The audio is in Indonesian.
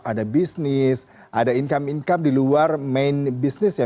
ada bisnis ada income income di luar main business ya